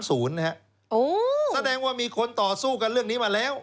แสดงว่ามีคนต่อสู้กันเรื่องนี้มาแล้ว